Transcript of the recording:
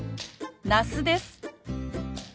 那須です。